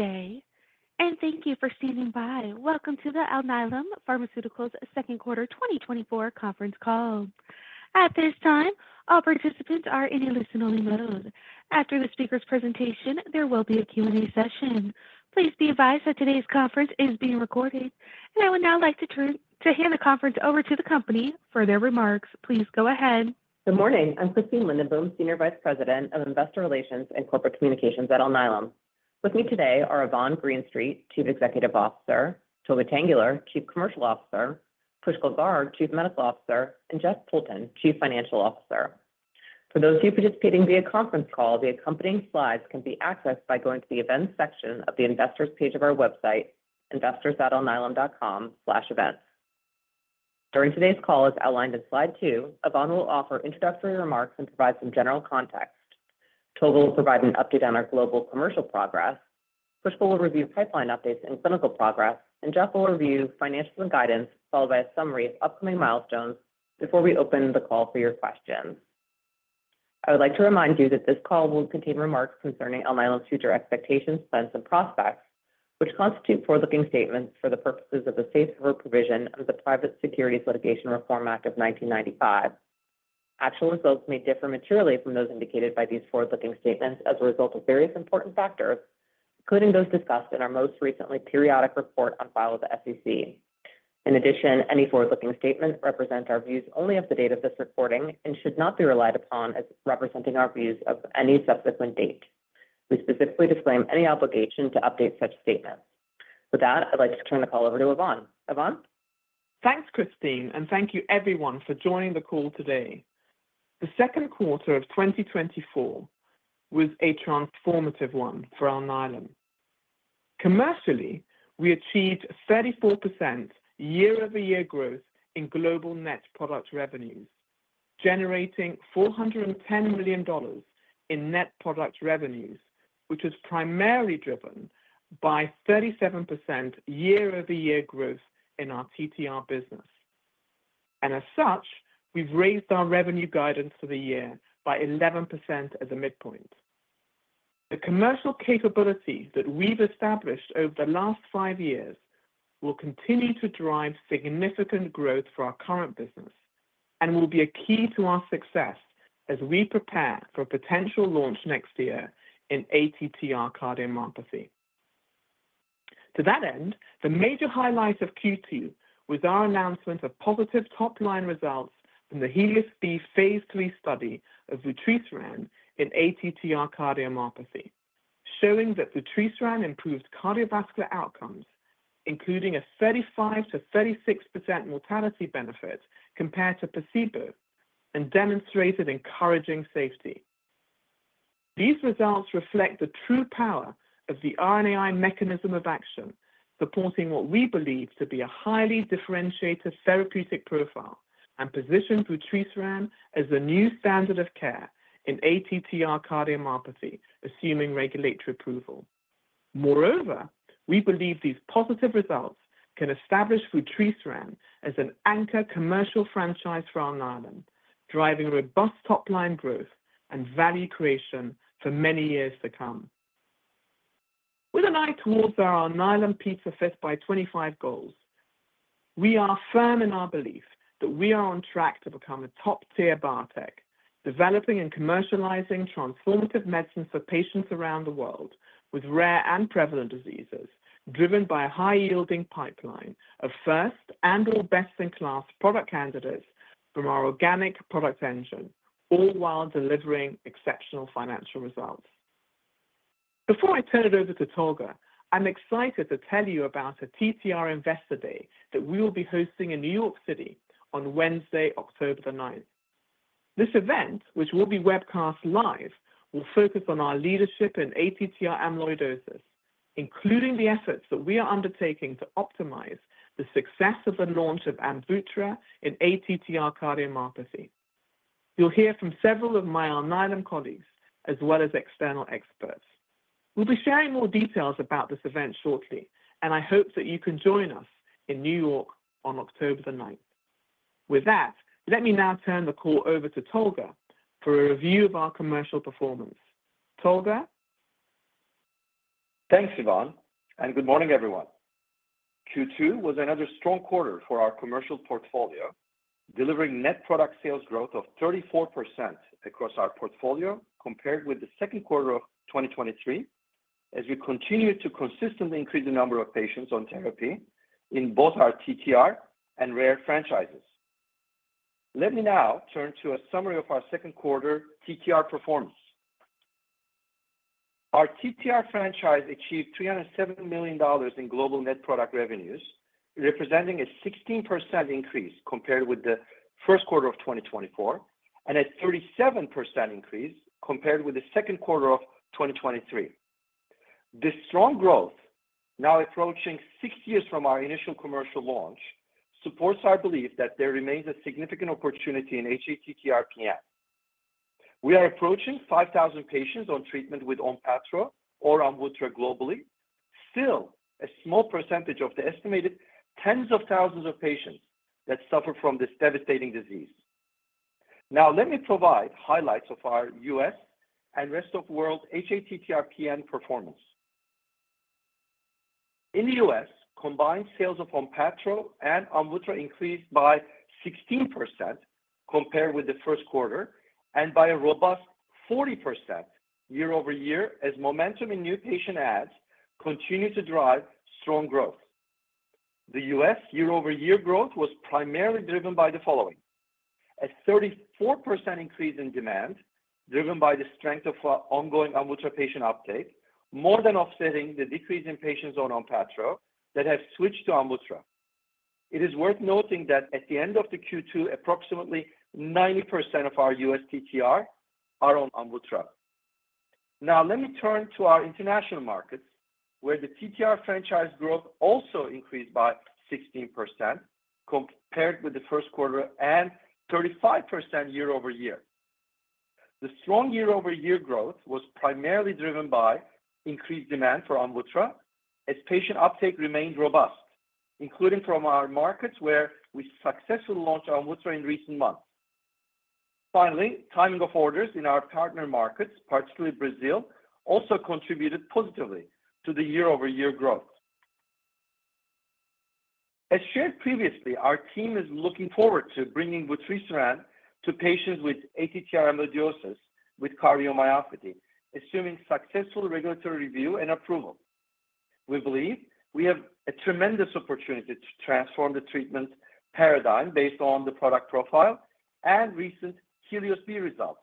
Good day and thank you for standing by. Welcome to the Alnylam Pharmaceuticals Second Quarter 2024 conference call. At this time, all participants are in a listen-only mode. After the speaker's presentation, there will be a Q&A session. Please be advised that today's conference is being recorded, and I would now like to hand the conference over to the company for their remarks. Please go ahead. Good morning. I'm Christine Lindenboom, Senior Vice President of Investor Relations and Corporate Communications at Alnylam. With me today are Yvonne Greenstreet, Chief Executive Officer; Tolga Tanguler, Chief Commercial Officer; Pushkal Garg, Chief Medical Officer; and Jeff Poulton, Chief Financial Officer. For those of you participating via conference call, the accompanying slides can be accessed by going to the Events section of the Investors page of our website, investors.alnylam.com/events. During today's call, as outlined in slide two, Yvonne will offer introductory remarks and provide some general context. Tolga will provide an update on our global commercial progress. Pushkal will review pipeline updates and clinical progress, and Jeff will review financials and guidance, followed by a summary of upcoming milestones before we open the call for your questions. I would like to remind you that this call will contain remarks concerning Alnylam future expectations, plans, and prospects, which constitute forward-looking statements for the purposes of the Safe Harbor Provision of the Private Securities Litigation Reform Act of 1995. Actual results may differ materially from those indicated by these forward-looking statements as a result of various important factors, including those discussed in our most recent periodic report on file with the SEC. In addition, any forward-looking statement represents our views only of the date of this recording and should not be relied upon as representing our views of any subsequent date. We specifically disclaim any obligation to update such statements. With that, I'd like to turn the call over to Yvonne. Yvonne? Thanks, Christine, and thank you everyone for joining the call today. The second quarter of 2024 was a transformative one for Alnylam. Commercially, we achieved 34% year-over-year growth in global net product revenues, generating $410 million in net product revenues, which was primarily driven by 37% year-over-year growth in our TTR business. As such, we've raised our revenue guidance for the year by 11% as a midpoint. The commercial capability that we've established over the last five years will continue to drive significant growth for our current business and will be a key to our success as we prepare for a potential launch next year in ATTR cardiomyopathy. To that end, the major highlight of Q2 was our announcement of positive top-line results from the HELIOS-B phase III study of vutrisiran in ATTR cardiomyopathy, showing that vutrisiran improved cardiovascular outcomes, including a 35%-36% mortality benefit compared to placebo, and demonstrated encouraging safety. These results reflect the true power of the RNAi mechanism of action, supporting what we believe to be a highly differentiated therapeutic profile and position vutrisiran as the new standard of care in ATTR cardiomyopathy, assuming regulatory approval. Moreover, we believe these positive results can establish vutrisiran as an anchor commercial franchise for Alnylam, driving robust top-line growth and value creation for many years to come. With an eye towards our Alnylam P5x25 goals, we are firm in our belief that we are on track to become a top-tier biotech, developing and commercializing transformative medicines for patients around the world with rare and prevalent diseases, driven by a high-yielding pipeline of first and/or best-in-class product candidates from our organic product engine, all while delivering exceptional financial results. Before I turn it over to Tolga, I'm excited to tell you about a TTR Investor Day that we will be hosting in New York City on Wednesday, October 9th. This event, which will be webcast live, will focus on our leadership in ATTR amyloidosis, including the efforts that we are undertaking to optimize the success of the launch of AMVUTTRA in ATTR cardiomyopathy. You'll hear from several of my Alnylam colleagues as well as external experts. We'll be sharing more details about this event shortly, and I hope that you can join us in New York on October the 9th. With that, let me now turn the call over to Tolga for a review of our commercial performance. Tolga? Thanks, Yvonne, and good morning, everyone. Q2 was another strong quarter for our commercial portfolio, delivering net product sales growth of 34% across our portfolio compared with the second quarter of 2023, as we continue to consistently increase the number of patients on therapy in both our TTR and rare franchises. Let me now turn to a summary of our second quarter TTR performance. Our TTR franchise achieved $307 million in global net product revenues, representing a 16% increase compared with the first quarter of 2024 and a 37% increase compared with the second quarter of 2023. This strong growth, now approaching six years from our initial commercial launch, supports our belief that there remains a significant opportunity in hATTR-PN. We are approaching 5,000 patients on treatment with ONPATTRO or AMVUTTRA globally, still a small percentage of the estimated tens of thousands of patients that suffer from this devastating disease. Now, let me provide highlights of our U.S. and rest of the world hATTR-PN performance. In the U.S., combined sales of ONPATTRO and AMVUTTRA increased by 16% compared with the first quarter and by a robust 40% year-over-year as momentum in new patient adds continue to drive strong growth. The U.S. year-over-year growth was primarily driven by the following: a 34% increase in demand driven by the strength of ongoing AMVUTTRA patient uptake, more than offsetting the decrease in patients on ONPATTRO that have switched to AMVUTTRA. It is worth noting that at the end of Q2, approximately 90% of our U.S. TTR are on AMVUTTRA. Now, let me turn to our international markets, where the TTR franchise growth also increased by 16% compared with the first quarter and 35% year-over-year. The strong year-over-year growth was primarily driven by increased demand for AMVUTTRA as patient uptake remained robust, including from our markets where we successfully launched AMVUTTRA in recent months. Finally, timing of orders in our partner markets, particularly Brazil, also contributed positively to the year-over-year growth. As shared previously, our team is looking forward to bringing vutrisiran to patients with ATTR amyloidosis with cardiomyopathy, assuming successful regulatory review and approval. We believe we have a tremendous opportunity to transform the treatment paradigm based on the product profile and recent HELIOS-B results,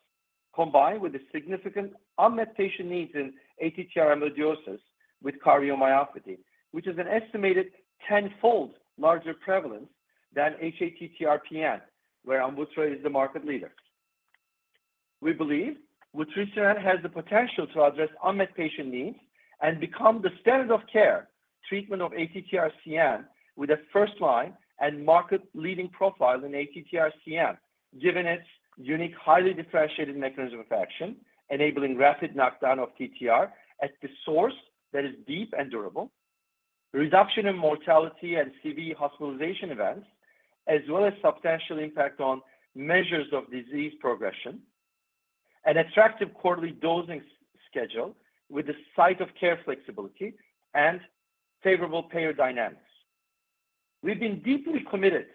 combined with the significant unmet patient needs in ATTR amyloidosis with cardiomyopathy, which is an estimated tenfold larger prevalence than hATTR-PN, where AMVUTTRA is the market leader. We believe vutrisiran has the potential to address unmet patient needs and become the standard of care treatment of ATTR-CM with a first-line and market-leading profile in ATTR-CM, given its unique highly differentiated mechanism of action, enabling rapid knockdown of TTR at the source that is deep and durable, reduction in mortality and CV hospitalization events, as well as substantial impact on measures of disease progression, an attractive quarterly dosing schedule with the site of care flexibility and favorable payer dynamics. We've been deeply committed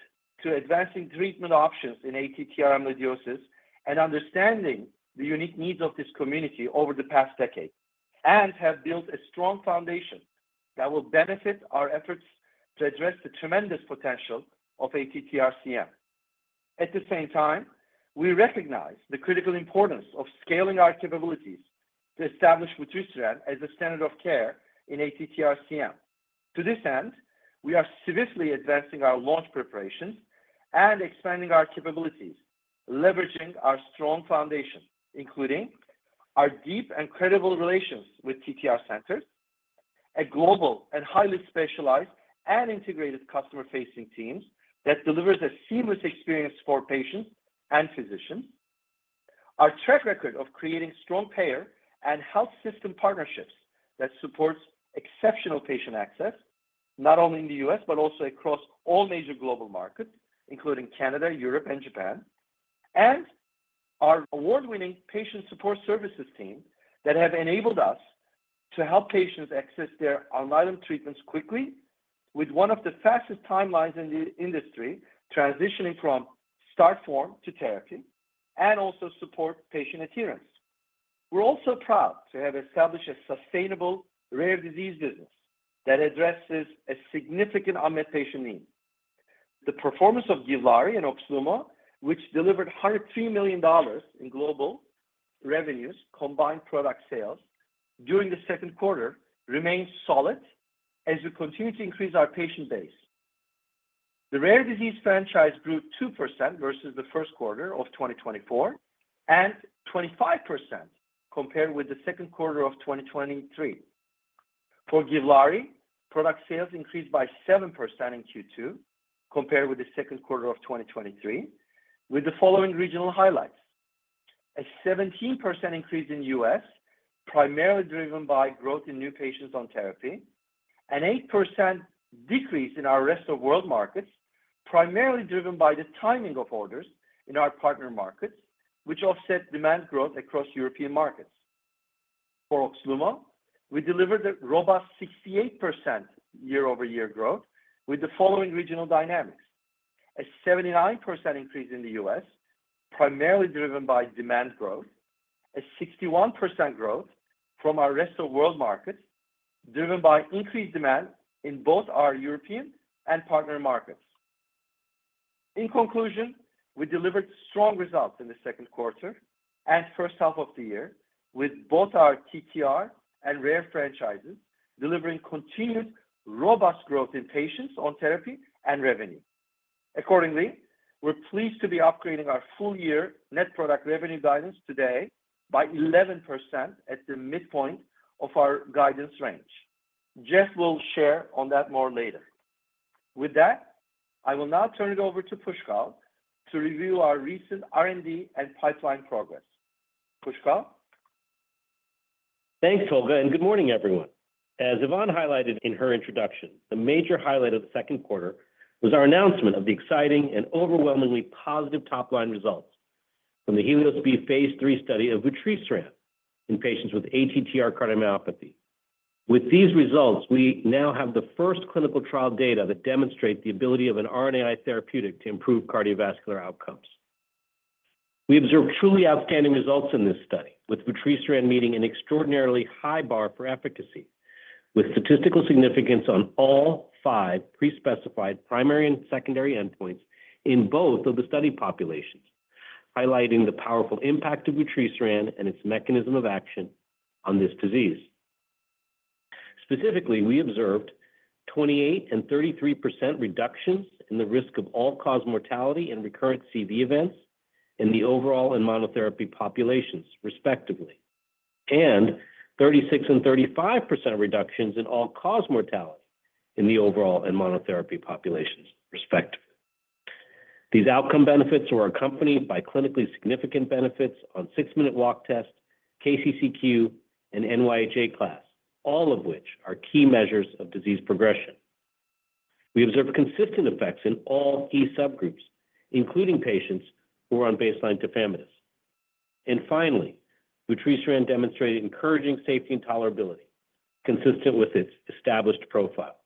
to advancing treatment options in ATTR amyloidosis and understanding the unique needs of this community over the past decade and have built a strong foundation that will benefit our efforts to address the tremendous potential of ATTR-CM. At the same time, we recognize the critical importance of scaling our capabilities to establish vutrisiran as a standard of care in ATTR-CM. To this end, we are swiftly advancing our launch preparations and expanding our capabilities, leveraging our strong foundation, including our deep and credible relations with TTR centers, a global and highly specialized and integrated customer-facing team that delivers a seamless experience for patients and physicians, our track record of creating strong payer and health system partnerships that support exceptional patient access not only in the U.S., but also across all major global markets, including Canada, Europe, and Japan, and our award-winning patient support services team that have enabled us to help patients access their Alnylam treatments quickly with one of the fastest timelines in the industry, transitioning from start form to therapy and also support patient adherence. We're also proud to have established a sustainable rare disease business that addresses a significant unmet patient need. The performance of GIVLAARI and OXLUMO, which delivered $103 million in global revenues combined product sales during the second quarter, remains solid as we continue to increase our patient base. The rare disease franchise grew 2% versus the first quarter of 2024 and 25% compared with the second quarter of 2023. For GIVLAARI, product sales increased by 7% in Q2 compared with the second quarter of 2023, with the following regional highlights: a 17% increase in the U.S., primarily driven by growth in new patients on therapy. An 8% decrease in our rest of world markets, primarily driven by the timing of orders in our partner markets, which offset demand growth across European markets. For OXLUMO, we delivered a robust 68% year-over-year growth with the following regional dynamics: a 79% increase in the U.S., primarily driven by demand growth. A 61% growth from our rest of world markets, driven by increased demand in both our European and partner markets. In conclusion, we delivered strong results in the second quarter and first half of the year, with both our TTR and rare franchises delivering continued robust growth in patients on therapy and revenue. Accordingly, we're pleased to be upgrading our full-year net product revenue guidance today by 11% at the midpoint of our guidance range. Jeff will share on that more later. With that, I will now turn it over to Pushkal to review our recent R&D and pipeline progress. Pushkal? Thanks, Tolga, and good morning, everyone. As Yvonne highlighted in her introduction, the major highlight of the second quarter was our announcement of the exciting and overwhelmingly positive top-line results from the HELIOS-B phase III study of vutrisiran in patients with ATTR cardiomyopathy. With these results, we now have the first clinical trial data that demonstrate the ability of an RNAi therapeutic to improve cardiovascular outcomes. We observed truly outstanding results in this study, with vutrisiran meeting an extraordinarily high bar for efficacy, with statistical significance on all five prespecified primary and secondary endpoints in both of the study populations, highlighting the powerful impact of vutrisiran and its mechanism of action on this disease. Specifically, we observed 28% and 33% reductions in the risk of all-cause mortality and recurrent CV events in the overall and monotherapy populations, respectively, and 36% and 35% reductions in all-cause mortality in the overall and monotherapy populations, respectively. These outcome benefits were accompanied by clinically significant benefits on six-minute walk test, KCCQ, and NYHA class, all of which are key measures of disease progression. We observed consistent effects in all key subgroups, including patients who are on baseline tafamidis. Finally, vutrisiran demonstrated encouraging safety and tolerability, consistent with its established profile.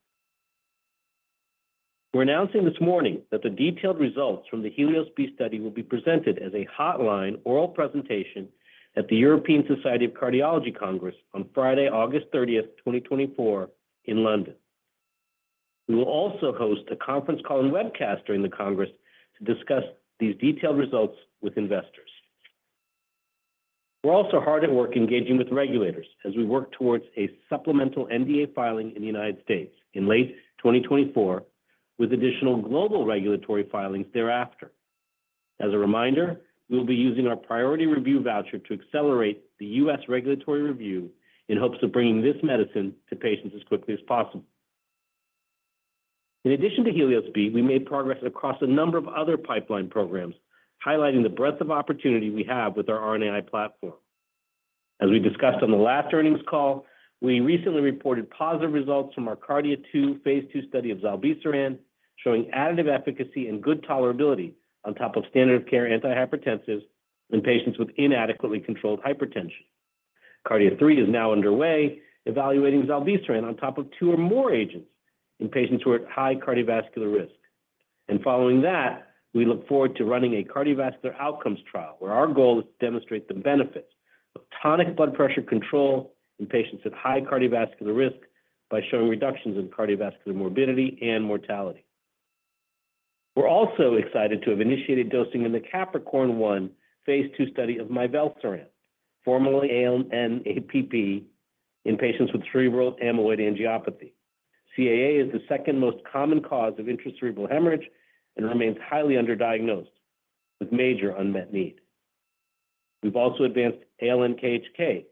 We're announcing this morning that the detailed results from the HELIOS-B study will be presented as a Hot Line oral presentation at the European Society of Cardiology Congress on Friday, August 30th, 2024, in London. We will also host a conference call and webcast during the congress to discuss these detailed results with investors. We're also hard at work engaging with regulators as we work towards a supplemental NDA filing in the United States in late 2024, with additional global regulatory filings thereafter. As a reminder, we will be using our priority review voucher to accelerate the U.S. regulatory review in hopes of bringing this medicine to patients as quickly as possible. In addition to HELIOS-B, we made progress across a number of other pipeline programs, highlighting the breadth of opportunity we have with our RNAi platform. As we discussed on the last earnings call, we recently reported positive results from our KARDIA-2 phase II study of zilebesiran, showing additive efficacy and good tolerability on top of standard of care antihypertensives in patients with inadequately controlled hypertension. KARDIA-3 is now underway, evaluating zilebesiran on top of two or more agents in patients who are at high cardiovascular risk. Following that, we look forward to running a cardiovascular outcomes trial where our goal is to demonstrate the benefits of tonic blood pressure control in patients at high cardiovascular risk by showing reductions in cardiovascular morbidity and mortality. We're also excited to have initiated dosing in the caPPricorn-1 phase II study of mivelsiran, formerly ALN-APP, in patients with cerebral amyloid angiopathy. CAA is the second most common cause of intracerebral hemorrhage and remains highly underdiagnosed, with major unmet need. We've also advanced ALN-KHK,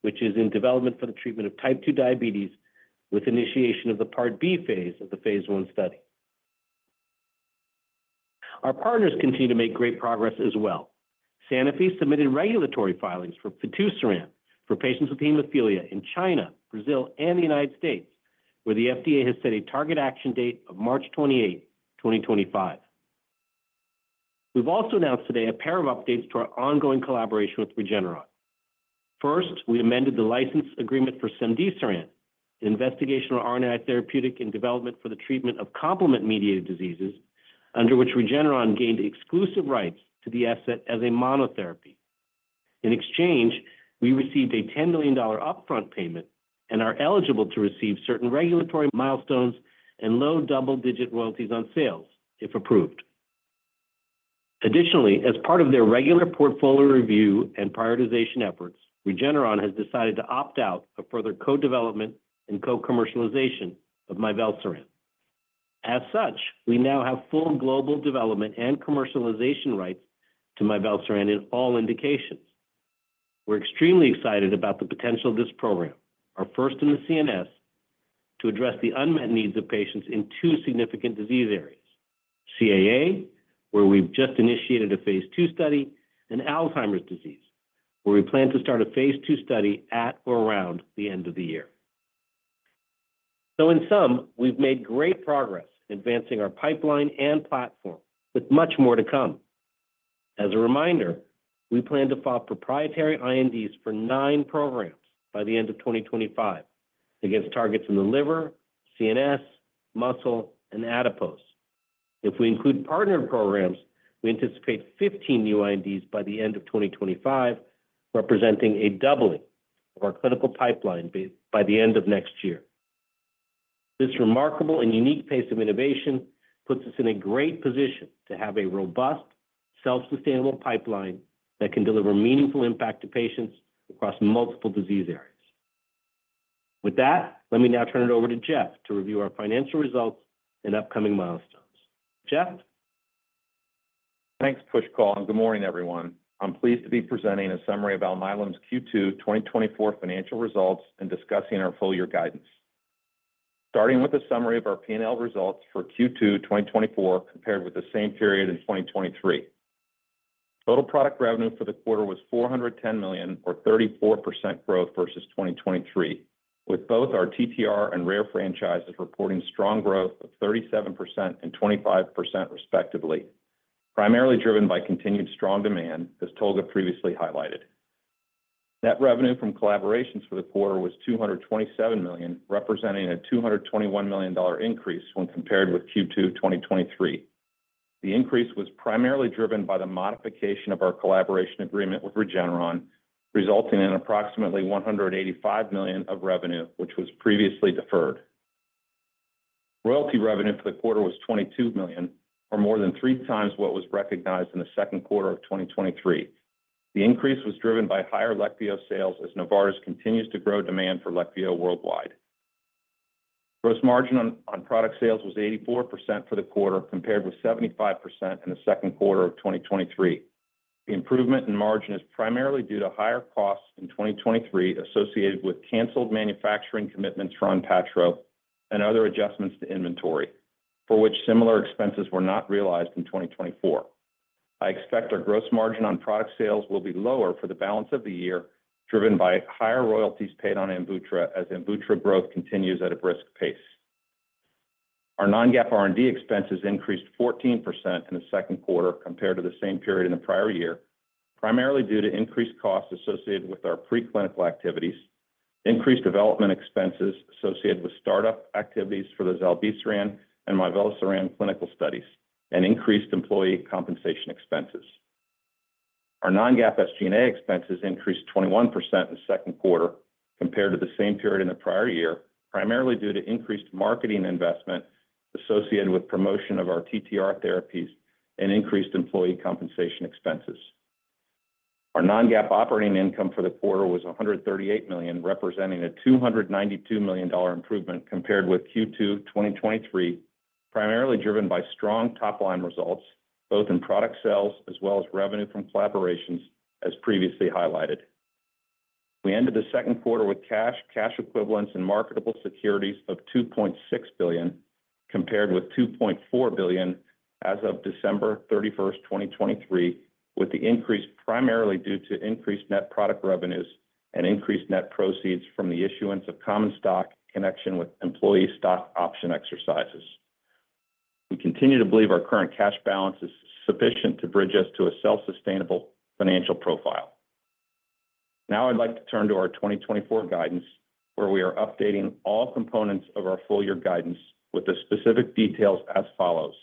which is in development for the treatment of type 2 diabetes, with initiation of the Part B phase of the phase I study. Our partners continue to make great progress as well. Sanofi submitted regulatory filings for fitusiran for patients with hemophilia in China, Brazil, and the United States, where the FDA has set a target action date of March 28, 2025. We've also announced today a pair of updates to our ongoing collaboration with Regeneron. First, we amended the license agreement for cemdisiran, an investigational RNAi therapeutic in development for the treatment of complement-mediated diseases, under which Regeneron gained exclusive rights to the asset as a monotherapy. In exchange, we received a $10 million upfront payment and are eligible to receive certain regulatory milestones and low double-digit royalties on sales, if approved. Additionally, as part of their regular portfolio review and prioritization efforts, Regeneron has decided to opt out of further co-development and co-commercialization of mivelsiran. As such, we now have full global development and commercialization rights to mivelsiran in all indications. We're extremely excited about the potential of this program, our first in the CNS, to address the unmet needs of patients in two significant disease areas: CAA, where we've just initiated a phase II study, and Alzheimer's disease, where we plan to start a phase II study at or around the end of the year. So, in sum, we've made great progress in advancing our pipeline and platform, with much more to come. As a reminder, we plan to file proprietary INDs for 9 programs by the end of 2025 against targets in the liver, CNS, muscle, and adipose. If we include partnered programs, we anticipate 15 new INDs by the end of 2025, representing a doubling of our clinical pipeline by the end of next year. This remarkable and unique pace of innovation puts us in a great position to have a robust, self-sustainable pipeline that can deliver meaningful impact to patients across multiple disease areas. With that, let me now turn it over to Jeff to review our financial results and upcoming milestones. Jeff? Thanks, Pushkal. And good morning, everyone. I'm pleased to be presenting a summary of Alnylam Q2 2024 financial results and discussing our full-year guidance, starting with a summary of our P&L results for Q2 2024 compared with the same period in 2023. Total product revenue for the quarter was $410 million, or 34% growth versus 2023, with both our TTR and rare franchises reporting strong growth of 37% and 25%, respectively, primarily driven by continued strong demand, as Tolga previously highlighted. Net revenue from collaborations for the quarter was $227 million, representing a $221 million increase when compared with Q2 2023. The increase was primarily driven by the modification of our collaboration agreement with Regeneron, resulting in approximately $185 million of revenue, which was previously deferred. Royalty revenue for the quarter was $22 million, or more than three times what was recognized in the second quarter of 2023. The increase was driven by higher Leqvio sales as Novartis continues to grow demand for Leqvio worldwide. Gross margin on product sales was 84% for the quarter, compared with 75% in the second quarter of 2023. The improvement in margin is primarily due to higher costs in 2023 associated with canceled manufacturing commitments for ONPATTRO and other adjustments to inventory, for which similar expenses were not realized in 2024. I expect our gross margin on product sales will be lower for the balance of the year, driven by higher royalties paid on AMVUTTRA as AMVUTTRA growth continues at a brisk pace. Our non-GAAP R&D expenses increased 14% in the second quarter compared to the same period in the prior year, primarily due to increased costs associated with our preclinical activities, increased development expenses associated with startup activities for the zilebesiran and mivelsiran clinical studies, and increased employee compensation expenses. Our non-GAAP SG&A expenses increased 21% in the second quarter compared to the same period in the prior year, primarily due to increased marketing investment associated with promotion of our TTR therapies and increased employee compensation expenses. Our non-GAAP operating income for the quarter was $138 million, representing a $292 million improvement compared with Q2 2023, primarily driven by strong top-line results, both in product sales as well as revenue from collaborations, as previously highlighted. We ended the second quarter with cash, cash equivalents, and marketable securities of $2.6 billion, compared with $2.4 billion as of December 31, 2023, with the increase primarily due to increased net product revenues and increased net proceeds from the issuance of common stock in connection with employee stock option exercises. We continue to believe our current cash balance is sufficient to bridge us to a self-sustainable financial profile. Now, I'd like to turn to our 2024 guidance, where we are updating all components of our full-year guidance with the specific details as follows.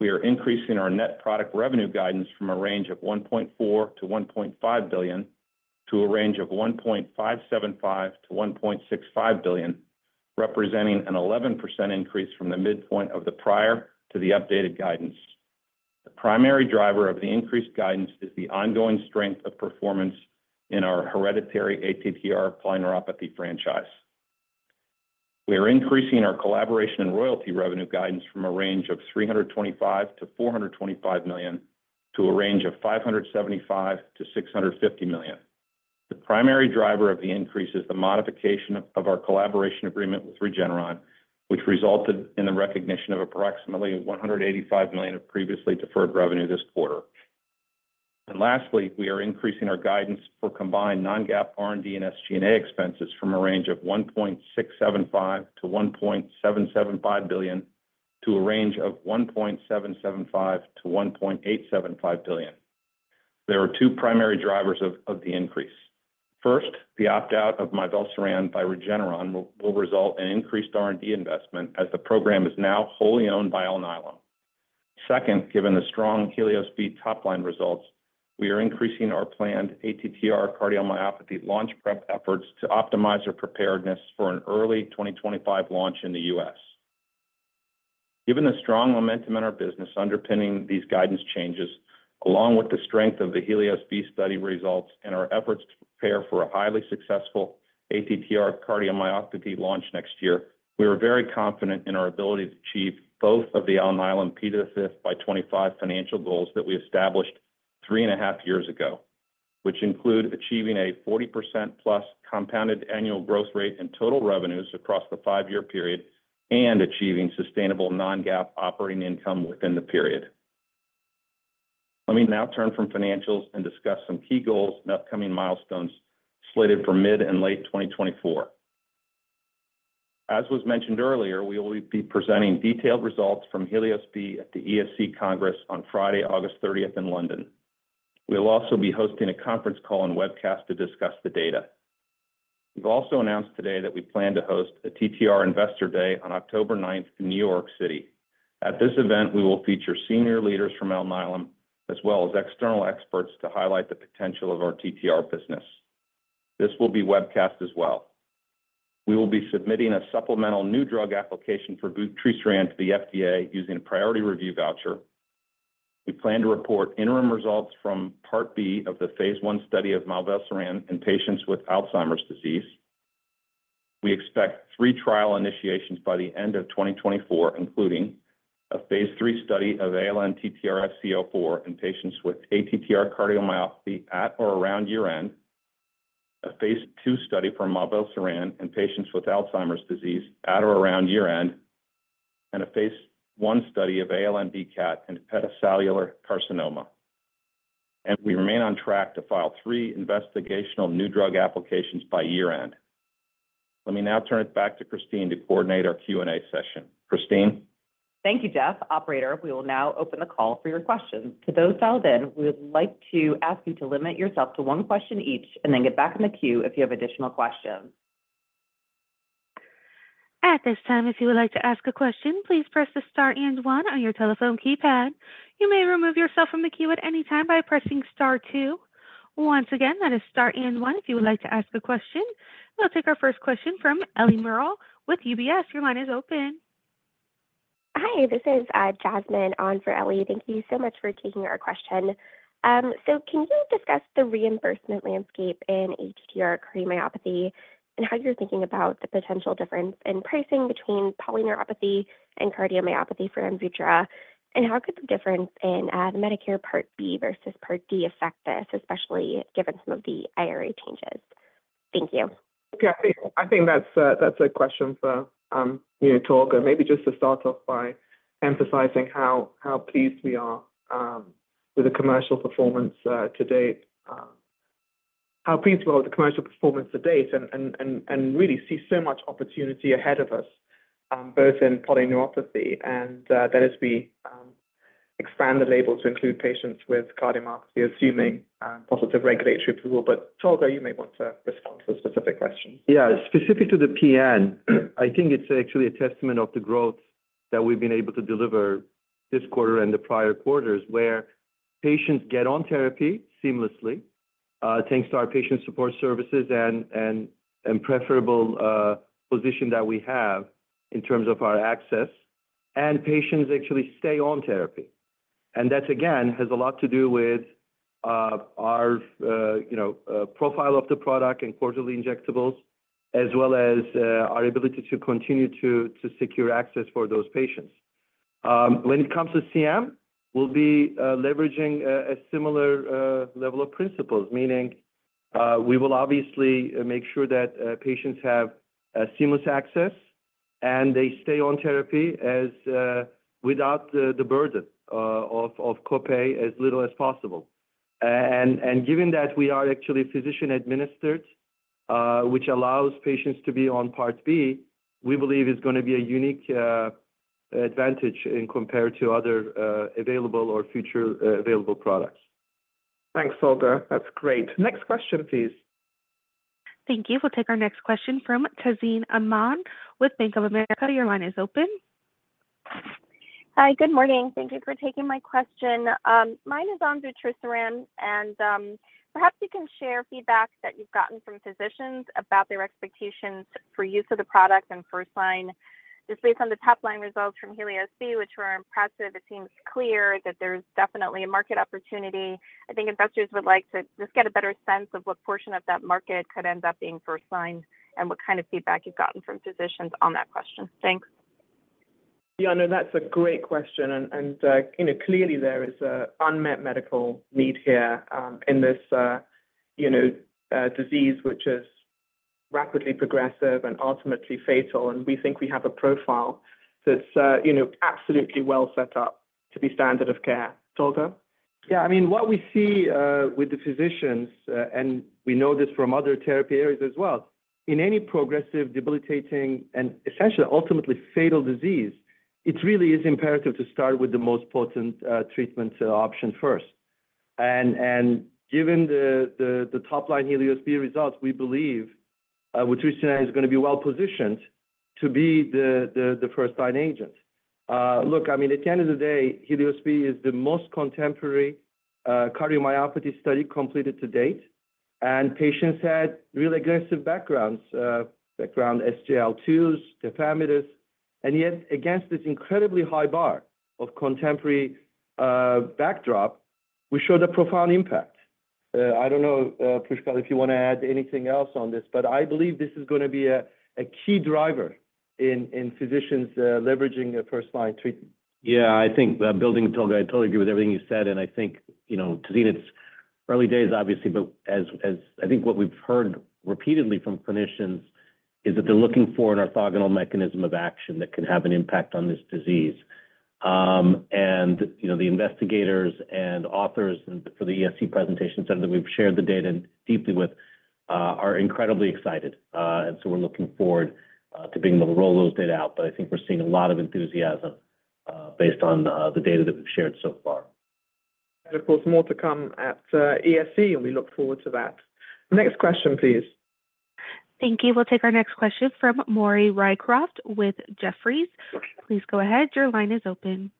We are increasing our net product revenue guidance from a range of $1.4-$1.5 billion to a range of $1.575-$1.65 billion, representing an 11% increase from the midpoint of the prior to the updated guidance. The primary driver of the increased guidance is the ongoing strength of performance in our hereditary ATTR polyneuropathy franchise. We are increasing our collaboration and royalty revenue guidance from a range of $325-$425 million to a range of $575-$650 million. The primary driver of the increase is the modification of our collaboration agreement with Regeneron, which resulted in the recognition of approximately $185 million of previously deferred revenue this quarter And lastly, we are increasing our guidance for combined non-GAAP R&D and SG&A expenses from a range of $1.675-$1.775 billion to a range of $1.775-$1.875 billion. There are two primary drivers of the increase. First, the opt-out of mivelsiran by Regeneron will result in increased R&D investment as the program is now wholly owned by Alnylam. Second, given the strong HELIOS-B top-line results, we are increasing our planned ATTR cardiomyopathy launch prep efforts to optimize our preparedness for an early 2025 launch in the U.S. Given the strong momentum in our business underpinning these guidance changes, along with the strength of the HELIOS-B study results and our efforts to prepare for a highly successful ATTR cardiomyopathy launch next year, we are very confident in our ability to achieve both of the Alnylam P5x25 financial goals that we established three and a half years ago, which include achieving a 40%+ compounded annual growth rate in total revenues across the five-year period and achieving sustainable non-GAAP operating income within the period. Let me now turn from financials and discuss some key goals and upcoming milestones slated for mid and late 2024. As was mentioned earlier, we will be presenting detailed results from HELIOS-B at the ESC Congress on Friday, August 30th, in London. We will also be hosting a conference call and webcast to discuss the data. We've also announced today that we plan to host a TTR Investor Day on October 9th in New York City. At this event, we will feature senior leaders from Alnylam, as well as external experts, to highlight the potential of our TTR business. This will be webcast as well. We will be submitting a supplemental new drug application for vutrisiran to the FDA using a priority review voucher. We plan to report interim results from Part B of the phase I study of mivelsiran in patients with Alzheimer's disease. We expect three trial initiations by the end of 2024, including a phase III study of ALN-TTRsc04 in patients with ATTR cardiomyopathy at or around year-end, a phase II study for mivelsiran in patients with Alzheimer's disease at or around year-end, and a phase I study of ALN-BCAT in hepatocellular carcinoma. We remain on track to file three investigational new drug applications by year-end. Let me now turn it back to Christine to coordinate our Q&A session. Christine? Thank you, Jeff. Operator, we will now open the call for your questions. To those dialed in, we would like to ask you to limit yourself to one question each and then get back in the queue if you have additional questions. At this time, if you would like to ask a question, please press the Star and 1 on your telephone keypad. You may remove yourself from the queue at any time by pressing Star 2. Once again, that is Star and 1 if you would like to ask a question. We'll take our first question from Eliana Merle with UBS. Your line is open. Hi, this is Jasmine on for Elly. Thank you so much for taking our question. Can you discuss the reimbursement landscape in ATTR cardiomyopathy and how you're thinking about the potential difference in pricing between polyneuropathy and cardiomyopathy for AMVUTTRA, and how could the difference in the Medicare Part B versus Part D affect this, especially given some of the IRA changes? Thank you. Yeah, I think that's a question for Tolga. Maybe just to start off by emphasizing how pleased we are with the commercial performance to date. How pleased we are with the commercial performance to date and really see so much opportunity ahead of us, both in polyneuropathy and then as we expand the label to include patients with cardiomyopathy, assuming positive regulatory approval. But Tolga, you may want to respond to a specific question. Yeah, specific to the PN, I think it's actually a testament of the growth that we've been able to deliver this quarter and the prior quarters, where patients get on therapy seamlessly thanks to our patient support services and preferable position that we have in terms of our access, and patients actually stay on therapy. And that, again, has a lot to do with our profile of the product and quarterly injectables, as well as our ability to continue to secure access for those patients. When it comes to CM, we'll be leveraging a similar level of principles, meaning we will obviously make sure that patients have seamless access and they stay on therapy without the burden of copay as little as possible. Given that we are actually physician-administered, which allows patients to be on Part B, we believe it's going to be a unique advantage in comparison to other available or future available products. Thanks, Tolga. That's great. Next question, please. Thank you. We'll take our next question from Tazeen Ahmad with Bank of America. Your line is open. Hi, good morning. Thank you for taking my question. Mine is on vutrisiran, and perhaps you can share feedback that you've gotten from physicians about their expectations for use of the product and first-line. Just based on the top-line results from HELIOS-B, which were impressive, it seems clear that there's definitely a market opportunity. I think investors would like to just get a better sense of what portion of that market could end up being first-line and what kind of feedback you've gotten from physicians on that question. Thanks. Yeah, no, that's a great question. Clearly, there is an unmet medical need here in this disease, which is rapidly progressive and ultimately fatal. We think we have a profile that's absolutely well set up to be standard of care. Tolga? Yeah, I mean, what we see with the physicians, and we know this from other therapy areas as well, in any progressive, debilitating, and essentially ultimately fatal disease, it really is imperative to start with the most potent treatment option first. And given the top-line HELIOS-B results, we believe vutrisiran is going to be well positioned to be the first-line agent. Look, I mean, at the end of the day, HELIOS-B is the most contemporary cardiomyopathy study completed to date, and patients had really aggressive backgrounds, background SGLT2s, tafamidis. And yet, against this incredibly high bar of contemporary backdrop, we showed a profound impact. I don't know, Pushkal, if you want to add anything else on this, but I believe this is going to be a key driver in physicians leveraging first-line treatment. Yeah, I think building on Tolga, I totally agree with everything you said. And I think, Tazeen, it's early days, obviously, but I think what we've heard repeatedly from clinicians is that they're looking for an orthogonal mechanism of action that can have an impact on this disease. The investigators and authors for the ESC presentation center that we've shared the data deeply with are incredibly excited. So we're looking forward to being able to roll those data out, but I think we're seeing a lot of enthusiasm based on the data that we've shared so far. And of course, more to come at ESC, and we look forward to that. Next question, please. Thank you. We'll take our next question from Maury Raycroft with Jefferies. Please go ahead. Your line is open.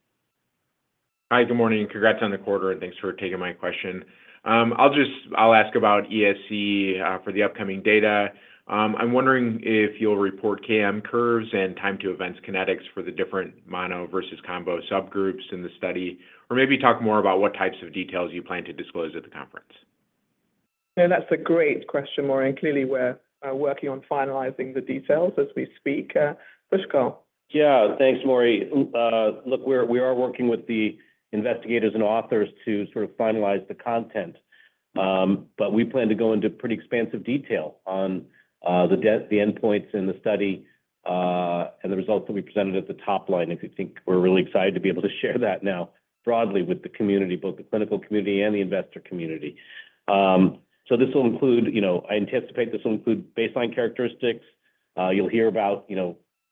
Hi, good morning. Congrats on the quarter, and thanks for taking my question. I'll ask about ESC for the upcoming data. I'm wondering if you'll report KM curves and time-to-events kinetics for the different mono versus combo subgroups in the study, or maybe talk more about what types of details you plan to disclose at the conference? Yeah, that's a great question, Maury, and clearly, we're working on finalizing the details as we speak. Pushkal? Yeah, thanks, Maury. Look, we are working with the investigators and authors to sort of finalize the content, but we plan to go into pretty expansive detail on the endpoints in the study and the results that we presented at the top-line. If you think we're really excited to be able to share that now broadly with the community, both the clinical community and the investor community. So this will include, I anticipate, this will include baseline characteristics. You'll hear about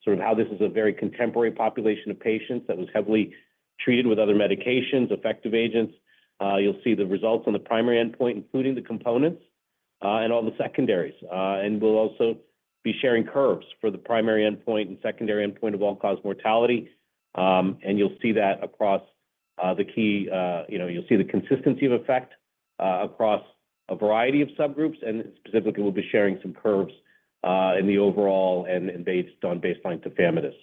sort of how this is a very contemporary population of patients that was heavily treated with other medications, effective agents. You'll see the results on the primary endpoint, including the components and all the secondaries. And we'll also be sharing curves for the primary endpoint and secondary endpoint of all-cause mortality. You'll see that across the key you'll see the consistency of effect across a variety of subgroups, and specifically, we'll be sharing some curves in the overall and based on baseline tafamidis.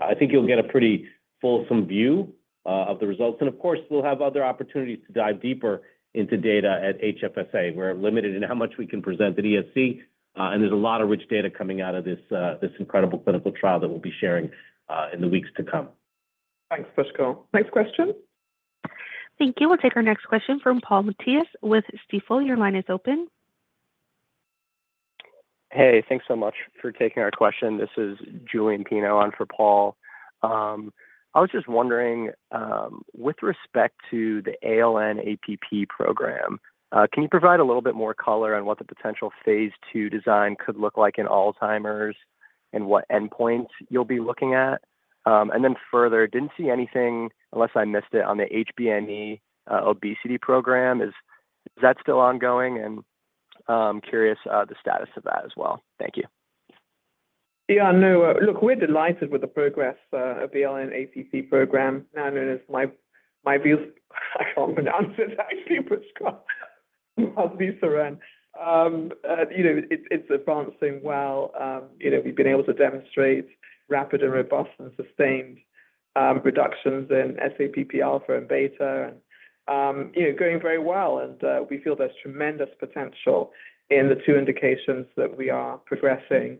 I think you'll get a pretty fulsome view of the results. Of course, we'll have other opportunities to dive deeper into data at HFSA. We're limited in how much we can present at ESC, and there's a lot of rich data coming out of this incredible clinical trial that we'll be sharing in the weeks to come. Thanks, Pushkal. Next question. Thank you. We'll take our next question from Paul Matteis with Stifel. Your line is open. Hey, thanks so much for taking our question. This is Julian Pino, on for Paul. I was just wondering, with respect to the ALN-APP program, can you provide a little bit more color on what the potential phase II design could look like in Alzheimer's and what endpoints you'll be looking at? And then further, didn't see anything, unless I missed it, on the INHBE obesity program. Is that still ongoing? And I'm curious about the status of that as well. Thank you. Yeah, no, look, we're delighted with the progress of the ALN-APP program, now known as mivelsiran. I can't pronounce it, actually, Pushkal. mivelsiran. It's advancing well. We've been able to demonstrate rapid and robust and sustained reductions in sAPPβ for Aβ and going very well. And we feel there's tremendous potential in the two indications that we are progressing,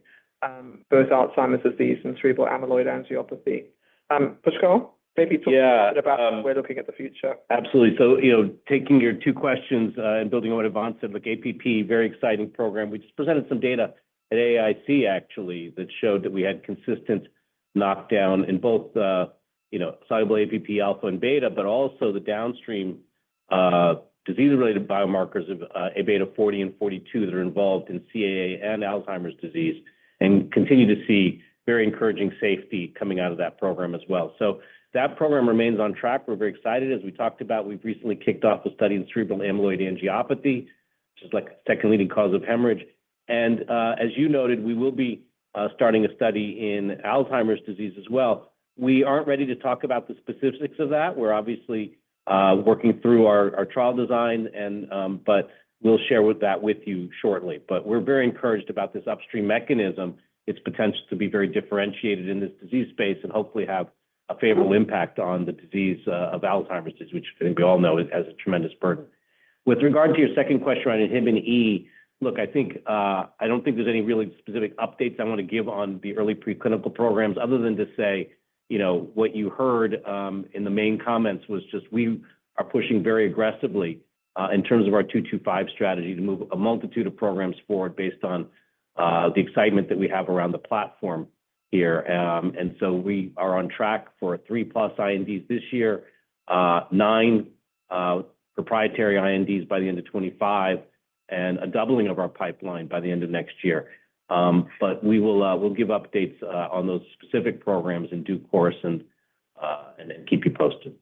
both Alzheimer's disease and cerebral amyloid angiopathy. Pushkal, maybe talk a little bit about where we're looking at the future. Absolutely. So taking your two questions and building on what Ivan said, like APP, very exciting program. We just presented some data at AAIC, actually, that showed that we had consistent knockdown in both soluble APP, alpha, and beta, but also the downstream disease-related biomarkers of Aβ40 and 42 that are involved in CAA and Alzheimer's disease and continue to see very encouraging safety coming out of that program as well. So that program remains on track. We're very excited. As we talked about, we've recently kicked off a study in cerebral amyloid angiopathy, which is like the second leading cause of hemorrhage. And as you noted, we will be starting a study in Alzheimer's disease as well. We aren't ready to talk about the specifics of that. We're obviously working through our trial design, but we'll share that with you shortly. But we're very encouraged about this upstream mechanism. Its potential to be very differentiated in this disease space and hopefully have a favorable impact on the disease of Alzheimer's disease, which I think we all know has a tremendous burden. With regard to your second question on inhibin E, look, I don't think there's any really specific updates I want to give on the early preclinical programs other than to say what you heard in the main comments was just we are pushing very aggressively in terms of our P5x25 strategy to move a multitude of programs forward based on the excitement that we have around the platform here. And so we are on track for 3+ INDs this year, 9 proprietary INDs by the end of 2025, and a doubling of our pipeline by the end of next year. But we'll give updates on those specific programs in due course and keep you posted.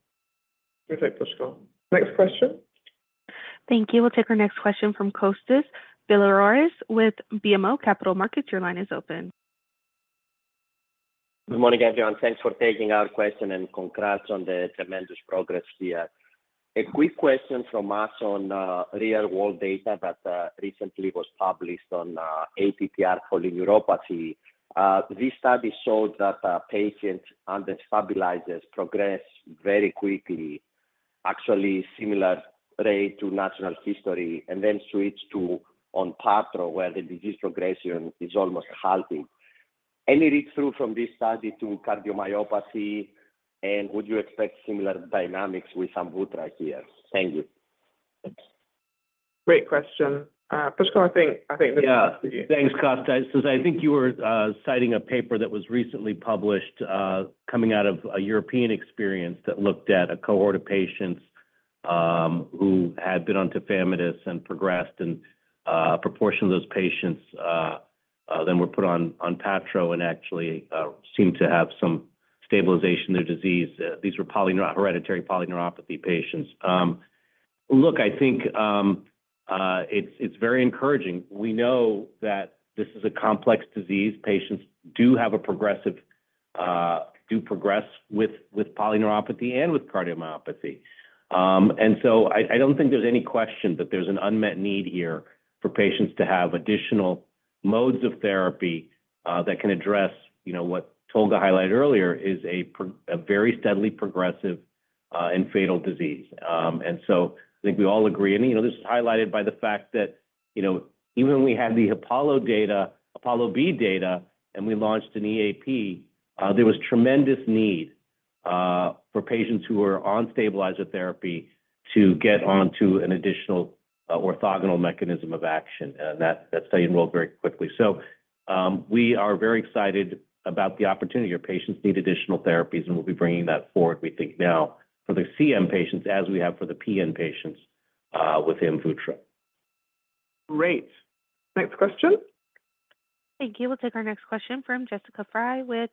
Perfect, Pushkal. Next question. Thank you. We'll take our next question from Kostas Biliouris with BMO Capital Markets. Your line is open. Good morning, everyone. Thanks for taking our question and congrats on the tremendous progress here. A quick question from us on real-world data that recently was published on ATTR polyneuropathy. This study showed that patients under stabilizers progress very quickly, actually similar rate to natural history, and then switch to ONPATTRO, where the disease progression is almost halving. Any read-through from this study to cardiomyopathy? Would you expect similar dynamics with AMVUTTRA here? Thank you. Great question. Pushkal, I think this is for you. Yeah, thanks, Kostas. I think you were citing a paper that was recently published coming out of a European experience that looked at a cohort of patients who had been on tafamidis and progressed, and a proportion of those patients then were put on ONPATTRO and actually seemed to have some stabilization of their disease. These were hereditary polyneuropathy patients. Look, I think it's very encouraging. We know that this is a complex disease. Patients do progress with polyneuropathy and with cardiomyopathy. So I don't think there's any question that there's an unmet need here for patients to have additional modes of therapy that can address what Tolga highlighted earlier is a very steadily progressive and fatal disease. So I think we all agree. This is highlighted by the fact that even when we had the APOLLO data, APOLLO-B data, and we launched an EAP, there was tremendous need for patients who were on stabilizer therapy to get onto an additional orthogonal mechanism of action. That study enrolled very quickly. We are very excited about the opportunity. Our patients need additional therapies, and we'll be bringing that forward, we think, now for the CM patients as we have for the PN patients with AMVUTTRA. Great. Next question. Thank you. We'll take our next question from Jessica Fye with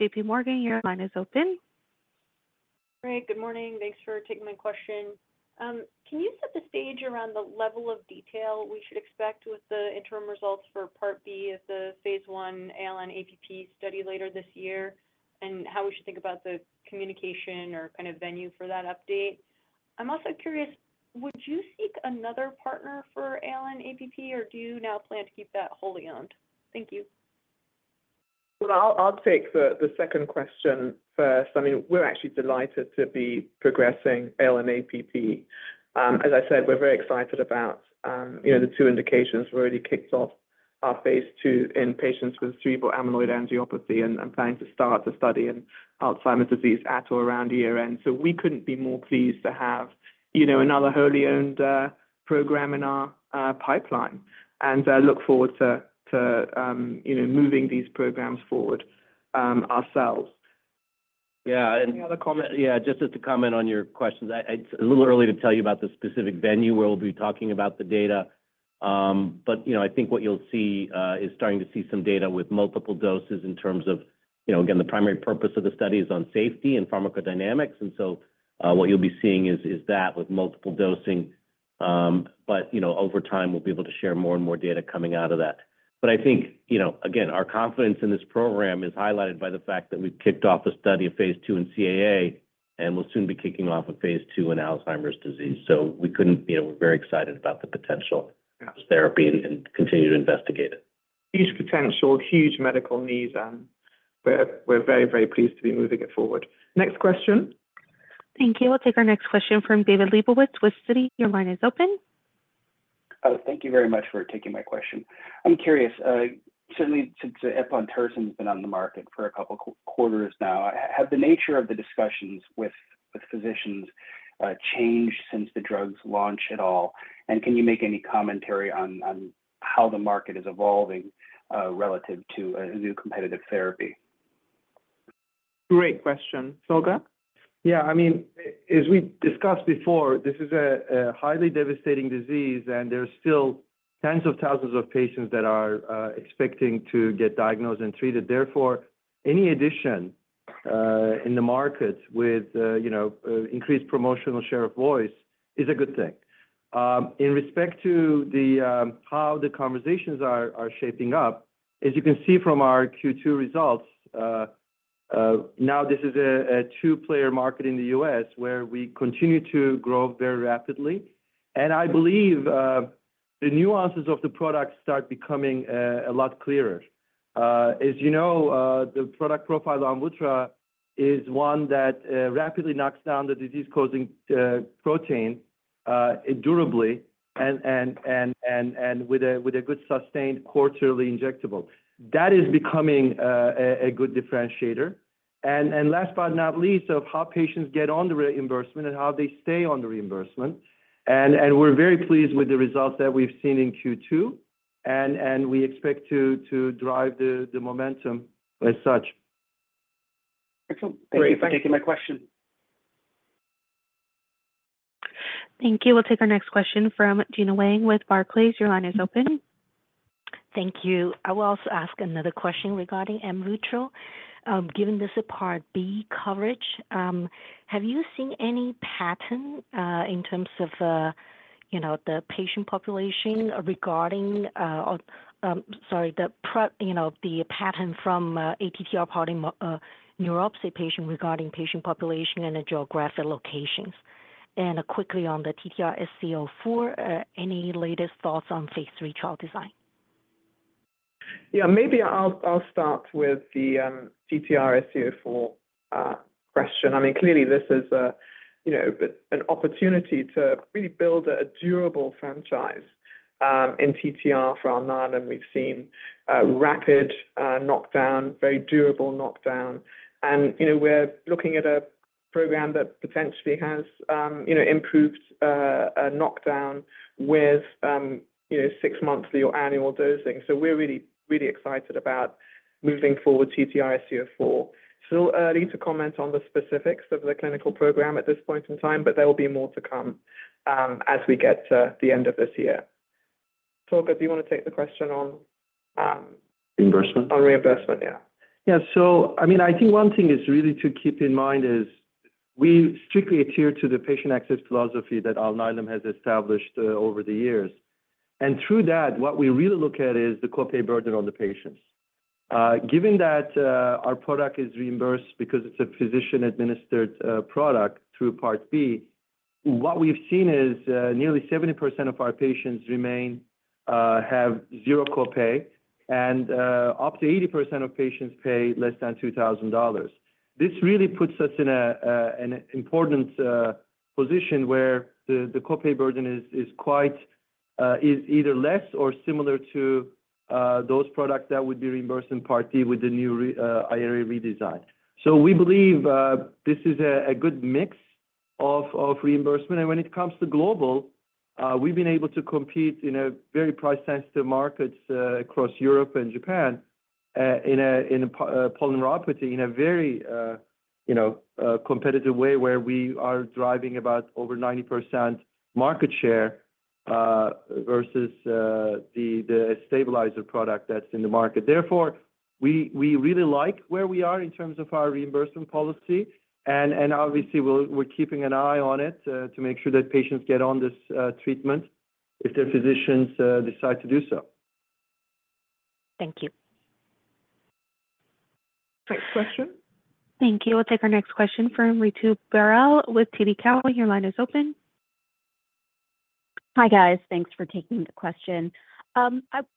JPMorgan. Your line is open. Hi, good morning. Thanks for taking my question. Can you set the stage around the level of detail we should expect with the interim results for Part B of the phase I ALN-APP study later this year and how we should think about the communication or kind of venue for that update? I'm also curious, would you seek another partner for ALN-APP, or do you now plan to keep that wholly owned? Thank you. Well, I'll take the second question first. I mean, we're actually delighted to be progressing ALN-APP. As I said, we're very excited about the two indications. We've already kicked off our phase II in patients with cerebral amyloid angiopathy and plan to start the study in Alzheimer's disease at or around year-end. So we couldn't be more pleased to have another wholly owned program in our pipeline and look forward to moving these programs forward ourselves. Any other comment? Yeah, just to comment on your questions. It's a little early to tell you about the specific venue where we'll be talking about the data, but I think what you'll see is starting to see some data with multiple doses in terms of, again, the primary purpose of the study is on safety and pharmacodynamics. And so what you'll be seeing is that with multiple dosing. But over time, we'll be able to share more and more data coming out of that. But I think, again, our confidence in this program is highlighted by the fact that we've kicked off a study of phase II in CAA, and we'll soon be kicking off a phase II in Alzheimer's disease. So we're very excited about the potential of this therapy and continue to investigate it. Huge potential, huge medical needs, and we're very, very pleased to be moving it forward. Next question. Thank you. We'll take our next question from David Lebowitz with Citi. Your line is open. Thank you very much for taking my question. I'm curious, certainly since eplontersen has been on the market for a couple of quarters now, have the nature of the discussions with physicians changed since the drug's launch at all? And can you make any commentary on how the market is evolving relative to a new competitive therapy? Great question. Tolga? Yeah. I mean, as we discussed before, this is a highly devastating disease, and there are still tens of thousands of patients that are expecting to get diagnosed and treated. Therefore, any addition in the market with increased promotional share of voice is a good thing. In respect to how the conversations are shaping up, as you can see from our Q2 results, now this is a two-player market in the U.S. where we continue to grow very rapidly. And I believe the nuances of the product start becoming a lot clearer. As you know, the product profile of AMVUTTRA is one that rapidly knocks down the disease-causing protein durably and with a good sustained quarterly injectable. That is becoming a good differentiator. And last but not least, of how patients get on the reimbursement and how they stay on the reimbursement. And we're very pleased with the results that we've seen in Q2, and we expect to drive the momentum as such. Excellent. Thank you for taking my question. Thank you. We'll take our next question from Gena Wang with Barclays. Your line is open. Thank you. I will also ask another question regarding AMVUTTRA. Given this is Part B coverage, have you seen any pattern in terms of the patient population regarding sorry, the pattern from ATTR polyneuropathy patient regarding patient population and the geographic locations? And quickly on the TTRsc04, any latest thoughts on phase III trial design? Yeah, maybe I'll start with the TTRsc04 question. I mean, clearly, this is an opportunity to really build a durable franchise in TTR for Alzheimer's. We've seen rapid knockdown, very durable knockdown. And we're looking at a program that potentially has improved knockdown with six-monthly or annual dosing. So we're really, really excited about moving forward TTRsc04. Still early to comment on the specifics of the clinical program at this point in time, but there will be more to come as we get to the end of this year. Tolga, do you want to take the question on? Reimbursement? On reimbursement, yeah. Yeah. So I mean, I think one thing is really to keep in mind is we strictly adhere to the patient access philosophy that Alnylam has established over the years. And through that, what we really look at is the copay burden on the patients. Given that our product is reimbursed because it's a physician-administered product through Part B, what we've seen is nearly 70% of our patients have zero copay, and up to 80% of patients pay less than $2,000. This really puts us in an important position where the copay burden is either less or similar to those products that would be reimbursed in Part B with the new IRA redesign. So we believe this is a good mix of reimbursement. When it comes to global, we've been able to compete in very price-sensitive markets across Europe and Japan in polyneuropathy in a very competitive way where we are driving about over 90% market share versus the stabilizer product that's in the market. Therefore, we really like where we are in terms of our reimbursement policy. Obviously, we're keeping an eye on it to make sure that patients get on this treatment if their physicians decide to do so. Thank you. Next question? Thank you. We'll take our next question from Ritu Baral with TD Cowen. Your line is open. Hi, guys. Thanks for taking the question. I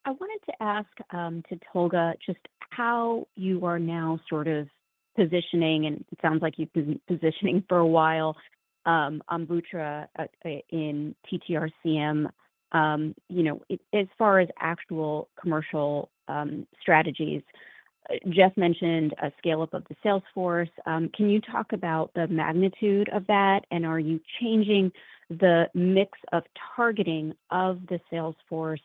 wanted to ask Tolga just how you are now sort of positioning, and it sounds like you've been positioning for a while, AMVUTTRA in TTR-CM as far as actual commercial strategies. Jeff mentioned a scale-up of the sales force. Can you talk about the magnitude of that, and are you changing the mix of targeting of the sales force?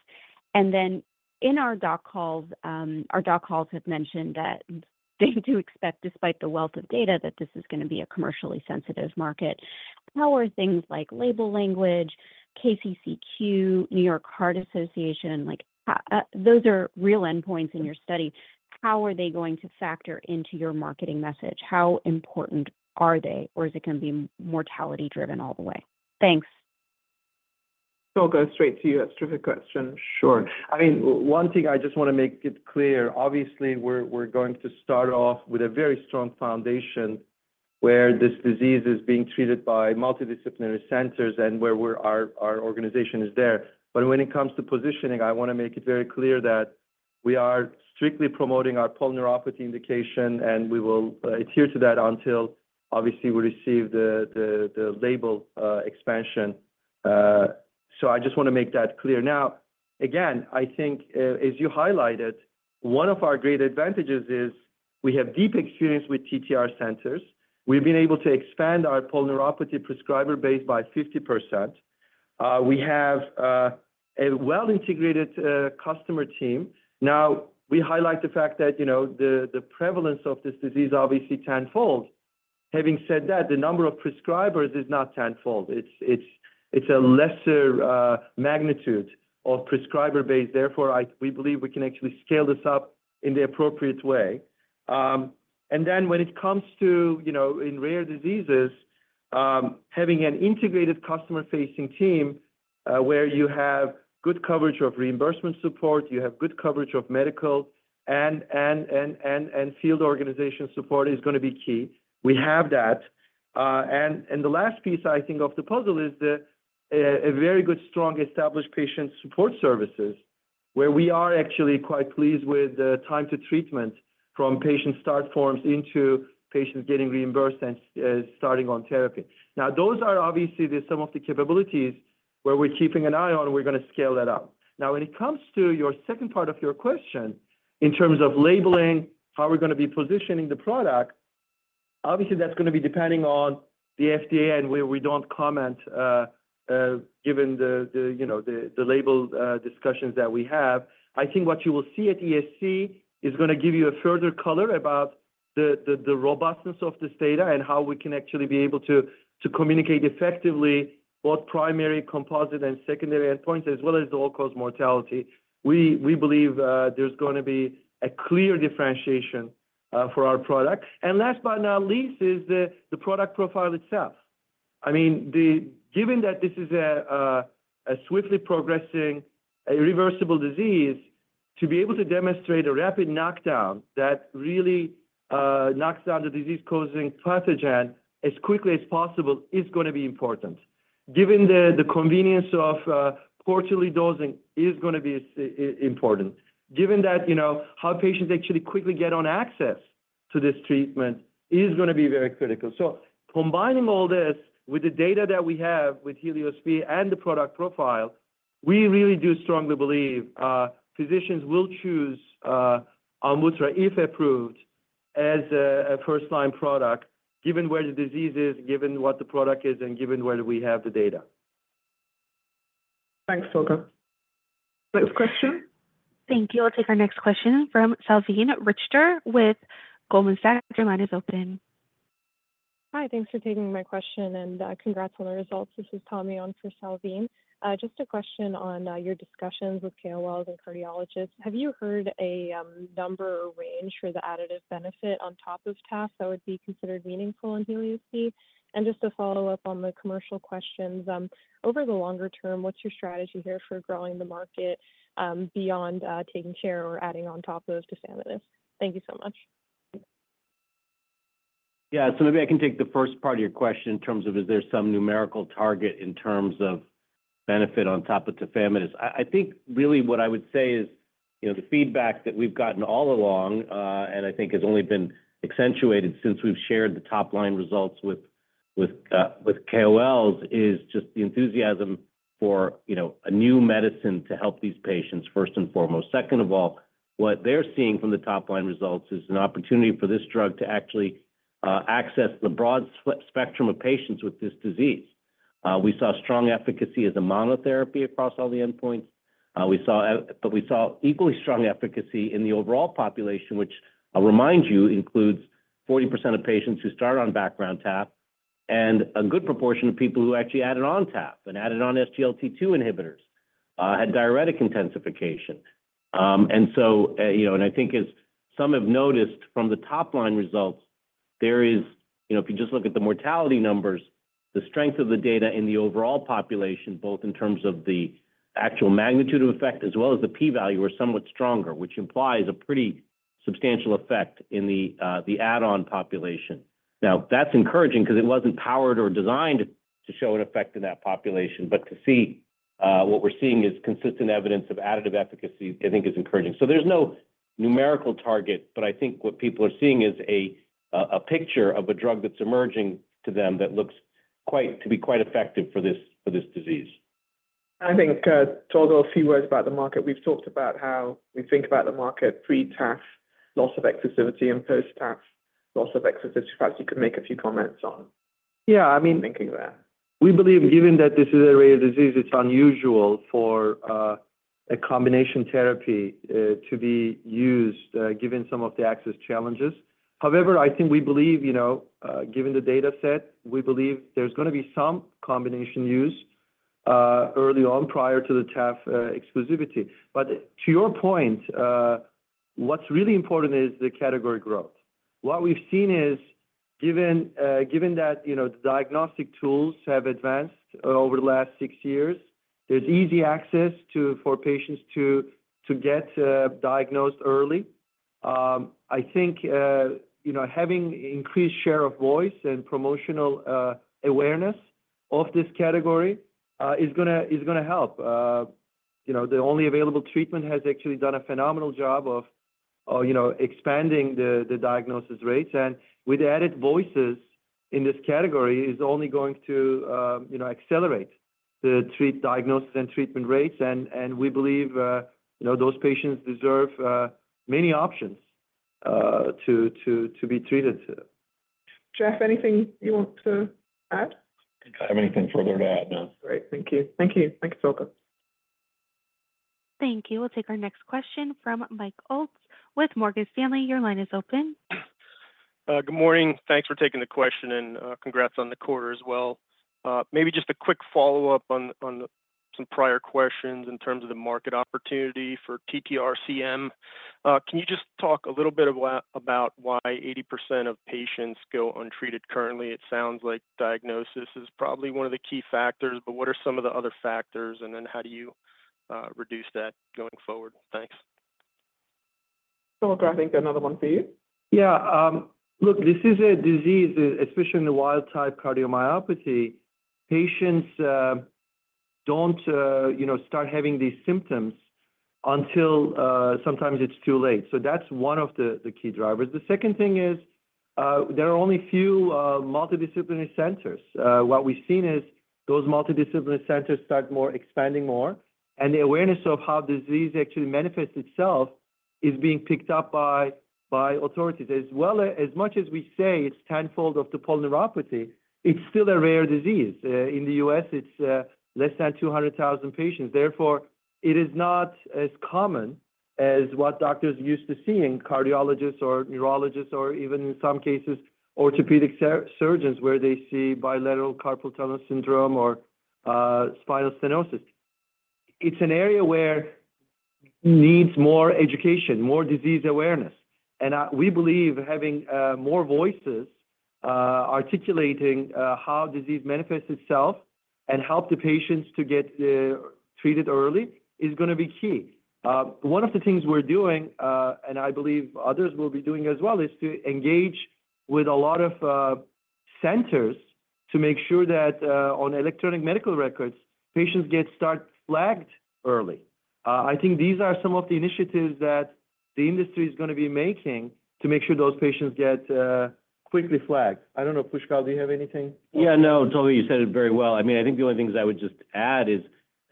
And then in our doc calls, our doc calls have mentioned that they do expect, despite the wealth of data, that this is going to be a commercially sensitive market. How are things like label language, KCCQ, New York Heart Association? Those are real endpoints in your study. How are they going to factor into your marketing message? How important are they? Or is it going to be mortality-driven all the way? Thanks. Tolga, straight to you. That's a terrific question. Sure. I mean, one thing I just want to make it clear, obviously, we're going to start off with a very strong foundation where this disease is being treated by multidisciplinary centers and where our organization is there. But when it comes to positioning, I want to make it very clear that we are strictly promoting our polyneuropathy indication, and we will adhere to that until, obviously, we receive the label expansion. So I just want to make that clear. Now, again, I think, as you highlighted, one of our great advantages is we have deep experience with TTR centers. We've been able to expand our polyneuropathy prescriber base by 50%. We have a well-integrated customer team. Now, we highlight the fact that the prevalence of this disease obviously tenfold. Having said that, the number of prescribers is not tenfold. It's a lesser magnitude of prescriber base. Therefore, we believe we can actually scale this up in the appropriate way. And then when it comes to, in rare diseases, having an integrated customer-facing team where you have good coverage of reimbursement support, you have good coverage of medical and field organization support is going to be key. We have that. And the last piece, I think, of the puzzle is a very good, strong established patient support services where we are actually quite pleased with time to treatment from patient start forms into patients getting reimbursed and starting on therapy. Now, those are obviously some of the capabilities where we're keeping an eye on. We're going to scale that up. Now, when it comes to your second part of your question in terms of labeling, how we're going to be positioning the product, obviously, that's going to be depending on the FDA, and we don't comment given the label discussions that we have. I think what you will see at ESC is going to give you a further color about the robustness of this data and how we can actually be able to communicate effectively both primary, composite, and secondary endpoints, as well as the all-cause mortality. We believe there's going to be a clear differentiation for our product. Last but not least is the product profile itself. I mean, given that this is a swiftly progressing, irreversible disease, to be able to demonstrate a rapid knockdown that really knocks down the disease-causing pathogen as quickly as possible is going to be important. Given the convenience of quarterly dosing is going to be important. Given that how patients actually quickly get on access to this treatment is going to be very critical. So combining all this with the data that we have with HELIOS-B and the product profile, we really do strongly believe physicians will choose AMVUTTRA if approved as a first-line product given where the disease is, given what the product is, and given where we have the data. Thanks, Tolga. Next question. Thank you. I'll take our next question from Salveen Richter with Goldman Sachs. Your line is open. Hi. Thanks for taking my question and congrats on the results. This is Tommy on for Salveen. Just a question on your discussions with KOLs and cardiologists. Have you heard a number or range for the additive benefit on top of tafamidis that would be considered meaningful in HELIOS-B? And just to follow up on the commercial questions, over the longer term, what's your strategy here for growing the market beyond standard of care or adding on top of tafamidis? Thank you so much. Yeah. So maybe I can take the first part of your question in terms of is there some numerical target in terms of benefit on top of tafamidis? I think really what I would say is the feedback that we've gotten all along, and I think has only been accentuated since we've shared the top-line results with KOLs, is just the enthusiasm for a new medicine to help these patients first and foremost. Second of all, what they're seeing from the top-line results is an opportunity for this drug to actually access the broad spectrum of patients with this disease. We saw strong efficacy as a monotherapy across all the endpoints, but we saw equally strong efficacy in the overall population, which, I'll remind you, includes 40% of patients who started on background taf and a good proportion of people who actually added on taf and added on SGLT2 inhibitors, had diuretic intensification. And so I think, as some have noticed from the top-line results, there is, if you just look at the mortality numbers, the strength of the data in the overall population, both in terms of the actual magnitude of effect as well as the p-value, are somewhat stronger, which implies a pretty substantial effect in the add-on population. Now, that's encouraging because it wasn't powered or designed to show an effect in that population. But to see what we're seeing is consistent evidence of additive efficacy, I think, is encouraging. There's no numerical target, but I think what people are seeing is a picture of a drug that's emerging to them that looks to be quite effective for this disease. I think, Tolga, a few words about the market. We've talked about how we think about the market pre-taf, loss of exclusivity, and post-taf, loss of exclusivity. Perhaps you could make a few comments on thinking there. Yeah. I mean, we believe, given that this is a rare disease, it's unusual for a combination therapy to be used given some of the access challenges. However, I think we believe, given the dataset, we believe there's going to be some combination use early on prior to the taf exclusivity. But to your point, what's really important is the category growth. What we've seen is, given that the diagnostic tools have advanced over the last six years, there's easy access for patients to get diagnosed early. I think having an increased share of voice and promotional awareness of this category is going to help. The only available treatment has actually done a phenomenal job of expanding the diagnosis rates. And with added voices in this category, it's only going to accelerate the diagnosis and treatment rates. And we believe those patients deserve many options to be treated. Jeff, anything you want to add? I don't have anything further to add, no. Great. Thank you. Thank you. Thanks, Tolga. Thank you. We'll take our next question from Mike Ulz with Morgan Stanley. Your line is open. Good morning. Thanks for taking the question, and congrats on the quarter as well. Maybe just a quick follow-up on some prior questions in terms of the market opportunity for TTR-CM. Can you just talk a little bit about why 80% of patients go untreated currently? It sounds like diagnosis is probably one of the key factors, but what are some of the other factors, and then how do you reduce that going forward? Thanks. Tolga, I think another one for you. Yeah. Look, this is a disease, especially in the wild-type cardiomyopathy. Patients don't start having these symptoms until sometimes it's too late. So that's one of the key drivers. The second thing is there are only few multidisciplinary centers. What we've seen is those multidisciplinary centers start expanding more, and the awareness of how disease actually manifests itself is being picked up by authorities. As much as we say it's tenfold of the polyneuropathy, it's still a rare disease. In the U.S., it's less than 200,000 patients. Therefore, it is not as common as what doctors used to see in cardiologists or neurologists or even, in some cases, orthopedic surgeons where they see bilateral carpal tunnel syndrome or spinal stenosis. It's an area where it needs more education, more disease awareness. And we believe having more voices articulating how disease manifests itself and helping patients to get treated early is going to be key. One of the things we're doing, and I believe others will be doing as well, is to engage with a lot of centers to make sure that on electronic medical records, patients get flagged early. I think these are some of the initiatives that the industry is going to be making to make sure those patients get quickly flagged. I don't know, Pushkal, do you have anything? Yeah. No, Tolga, you said it very well. I mean, I think the only things I would just add is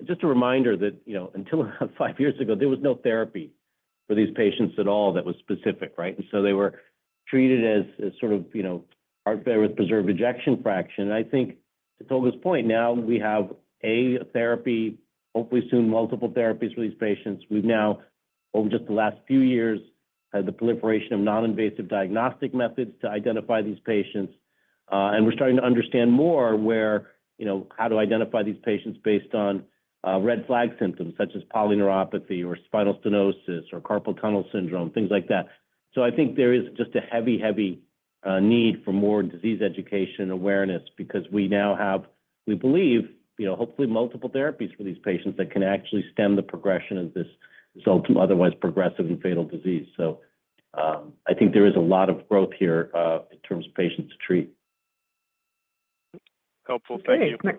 just a reminder that until five years ago, there was no therapy for these patients at all that was specific, right? And so they were treated as sort of heart failure with preserved ejection fraction. And I think, to Tolga's point, now we have a therapy, hopefully soon multiple therapies for these patients. We've now, over just the last few years, had the proliferation of non-invasive diagnostic methods to identify these patients. And we're starting to understand more how to identify these patients based on red flag symptoms such as polyneuropathy or spinal stenosis or carpal tunnel syndrome, things like that. So I think there is just a heavy, heavy need for more disease education awareness because we now have, we believe, hopefully multiple therapies for these patients that can actually stem the progression of this ultimate otherwise progressive and fatal disease. So I think there is a lot of growth here in terms of patients to treat. Helpful. Thank you.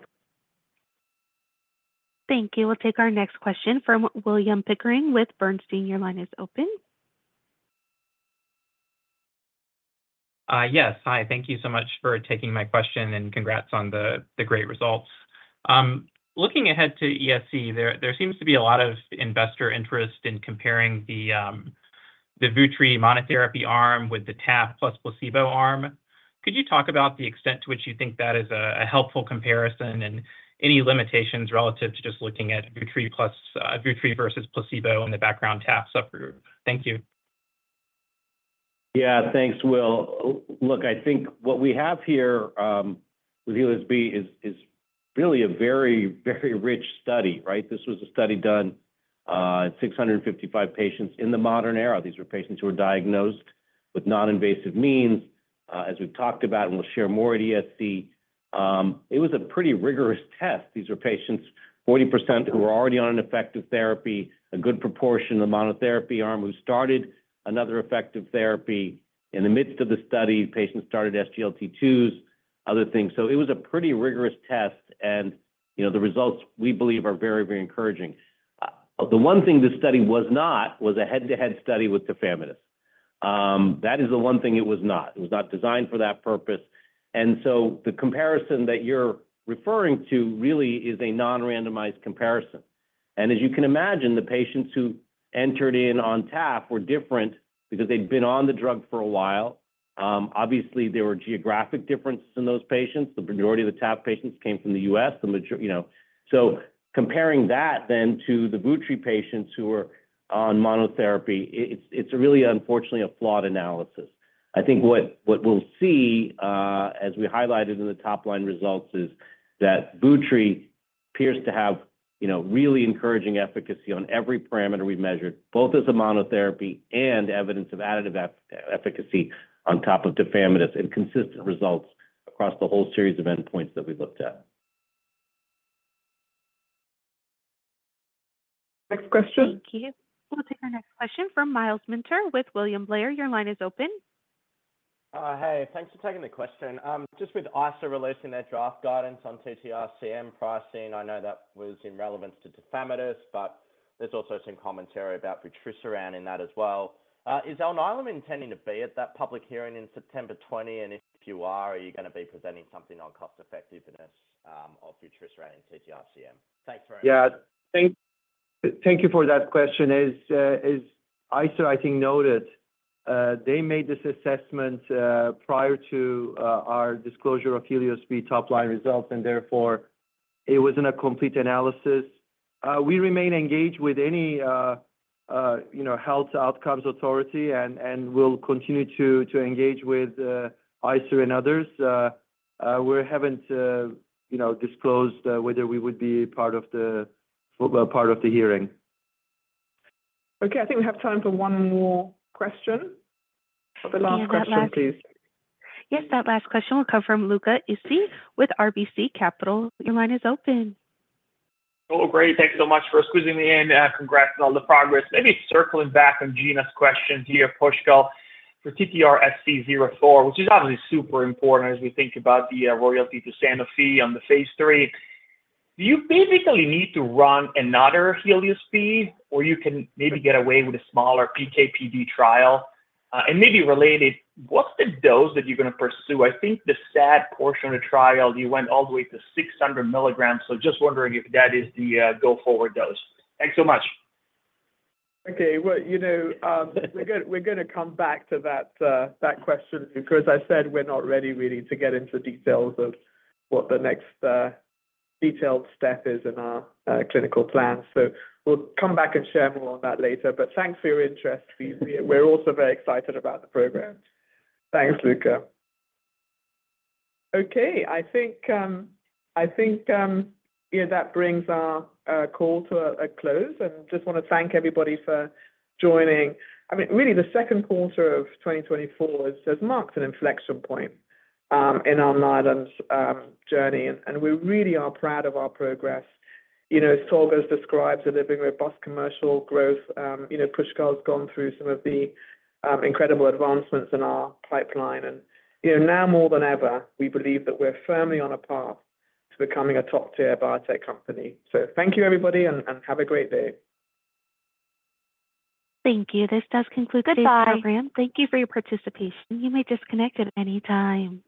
Thank you. We'll take our next question from William Pickering with Bernstein. Your line is open. Yes. Hi. Thank you so much for taking my question and congrats on the great results. Looking ahead to ESC, there seems to be a lot of investor interest in comparing the vutri monotherapy arm with the taf plus placebo arm. Could you talk about the extent to which you think that is a helpful comparison and any limitations relative to just looking at vutri versus placebo in the background taf subgroup? Thank you. Yeah. Thanks, Will. Look, I think what we have here with HELIOS-B is really a very, very rich study, right? This was a study done in 655 patients in the modern era. These were patients who were diagnosed with non-invasive means, as we've talked about, and we'll share more at ESC. It was a pretty rigorous test. These were patients, 40%, who were already on an effective therapy, a good proportion of the monotherapy arm who started another effective therapy. In the midst of the study, patients started SGLT2s, other things. So it was a pretty rigorous test, and the results we believe are very, very encouraging. The one thing this study was not was a head-to-head study with tafamidis. That is the one thing it was not. It was not designed for that purpose. And so the comparison that you're referring to really is a non-randomized comparison. As you can imagine, the patients who entered in on taf were different because they'd been on the drug for a while. Obviously, there were geographic differences in those patients. The majority of the taf patients came from the U.S. Comparing that then to the vutri patients who were on monotherapy, it's really, unfortunately, a flawed analysis. I think what we'll see, as we highlighted in the top-line results, is that vutri appears to have really encouraging efficacy on every parameter we've measured, both as a monotherapy and evidence of additive efficacy on top of tafamidis and consistent results across the whole series of endpoints that we've looked at. Next question. Thank you. We'll take our next question from Miles Minter with William Blair. Your line is open. Hey. Thanks for taking the question. Just with ICER releasing that draft guidance on TTR-CM pricing. I know that was in relevance to tafamidis, but there's also some commentary about vutrisiran in that as well. Is Alnylam intending to be at that public hearing in September 2024? And if you are, are you going to be presenting something on cost-effectiveness of vutrisiran and TTR-CM? Thanks very much. Yeah. Thank you for that question. As I think noted, they made this assessment prior to our disclosure of HELIOS-B top-line results, and therefore, it wasn't a complete analysis. We remain engaged with any health outcomes authority and will continue to engage with ICER and others. We haven't disclosed whether we would be part of the hearing. Okay. I think we have time for one more question. The last question, please. Yes. That last question will come from Luca Issi with RBC Capital. Your line is open. Oh, great. Thanks so much for squeezing me in. Congrats on all the progress. Maybe circling back on Gena's question here, Pushkal, for TTRsc04, which is obviously super important as we think about the royalty to Sanofi on the phase III. Do you basically need to run another HELIOS-B, or you can maybe get away with a smaller PKPD trial? And maybe related, what's the dose that you're going to pursue? I think the SAD portion of the trial, you went all the way to 600 milligrams. So just wondering if that is the go-forward dose. Thanks so much. Okay. Well, we're going to come back to that question because, as I said, we're not ready really to get into details of what the next detailed step is in our clinical plan. So we'll come back and share more on that later. But thanks for your interest. We're also very excited about the program. Thanks, Luca. Okay. I think that brings our call to a close. And just want to thank everybody for joining. I mean, really, the second quarter of 2024 has marked an inflection point in our Alnylam journey, and we really are proud of our progress. As Tolga has described, we're driving robust commercial growth. Pushkal has gone through some of the incredible advancements in our pipeline. And now more than ever, we believe that we're firmly on a path to becoming a top-tier biotech company. So thank you, everybody, and have a great day. Thank you. This does conclude today's program. Thank you for your participation. You may disconnect at any time.